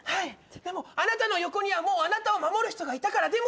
でもあなたの横にはもうあなたを守る人がいたから。